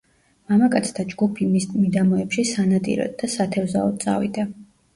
მამაკაცთა ჯგუფი მის მიდამოებში სანადიროდ და სათევზაოდ წავიდა.